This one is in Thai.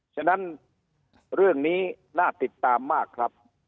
ฉะนั้นเรื่องนี้น่าติดตามมากครับ